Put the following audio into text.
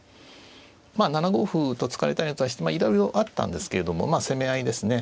まあ７五歩と突かれたのに対していろいろあったんですけれどもまあ攻め合いですね。